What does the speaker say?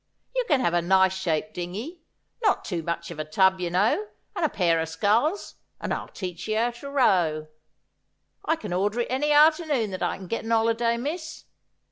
You can have a nice shaped dingey, not too much of a tub, you know, and a pair o' sculls, and I'll teach you to row. I can order it any arternoon that I can get an 'oliday, miss.